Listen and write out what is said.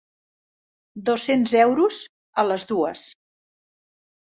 Dos cents euros, a les dues.